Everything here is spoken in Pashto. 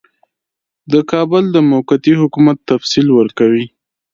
د کابل د موقتي حکومت تفصیل ورکوي.